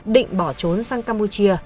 định bỏ trốn sang campuchia